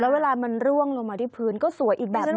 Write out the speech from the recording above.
เวลามันร่วงลงมาที่พื้นก็สวยอีกแบบนึง